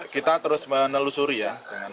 kita terus menelusuri ya